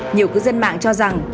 nhiều cư dân mạng cho rằng